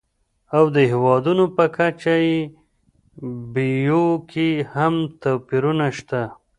او د هېوادونو په کچه یې بیو کې هم توپیرونه شته.